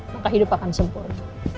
maka hidup akan sempurna